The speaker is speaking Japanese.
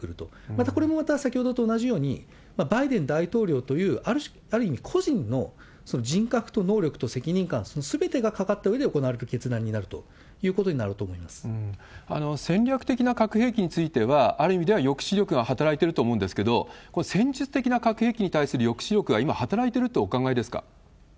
またこれも先ほどと同じように、バイデン大統領という、ある意味、個人の人格と能力と責任感、そのすべてがかかったうえで行われる決断になるということになる戦略的な核兵器については、ある意味では抑止力が働いていると思うんですけれども、この戦術的な核兵器の抑止力は今、働いているとお考えですか？